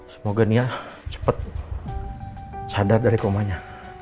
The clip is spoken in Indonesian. semoga nia cepat sadar dari komanya